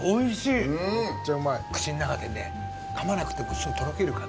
口の中でねかまなくてもすぐとろける感じ。